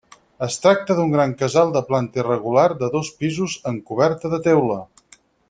Es tracta d'un gran casal de planta irregular, de dos pisos, amb coberta de teula.